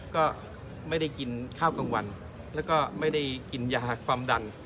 ก็ไม่ได้กินข้าวกลางวันแล้วก็ไม่ได้กินยาความดัน